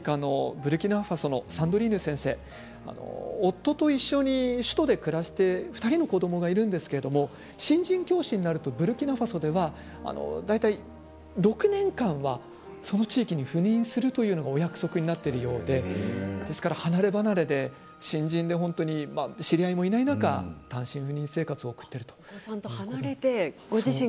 ブルキナファソのサンドリーヌ先生は夫と２人で暮らしていて子どもがいるんですが新人教師になると６年間はその地域に赴任するということがお約束になっているようでですから、離れ離れで新人で知り合いのいない中で単身赴任生活を送っています。